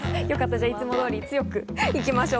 じゃあ、いつも通り強くいきましょう！